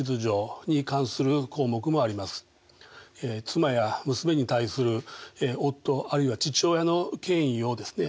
妻や娘に対する夫あるいは父親の権威をですね